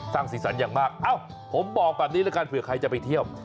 สีสันอย่างมากเอ้าผมบอกแบบนี้แล้วกันเผื่อใครจะไปเที่ยว